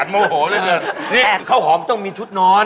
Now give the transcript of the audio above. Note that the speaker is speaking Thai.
นี่เขาหอมต้องมีชุดนอน